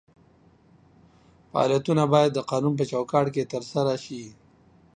فعالیتونه باید د قانون په چوکاټ کې ترسره شي.